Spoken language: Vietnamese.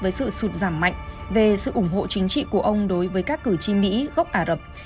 với sự sụt giảm mạnh về sự ủng hộ chính trị của ông đối với các cử tri mỹ gốc ả rập